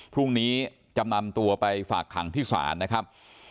พรุ่งนี้จะนำตัวไปฝากขังที่ศาลนะครับ